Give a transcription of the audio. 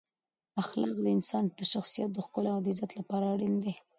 اخلاق د انسان د شخصیت د ښکلا او عزت لپاره اړین دی.